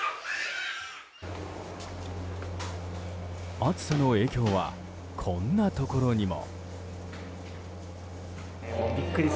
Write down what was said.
暑さの影響はこんなところにも。